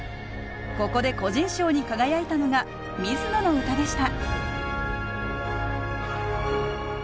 ここで個人賞に輝いたのが水野の歌でした。